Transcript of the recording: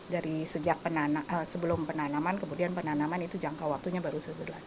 dari sebelum penanaman kemudian penanaman itu jangka waktunya baru sebulan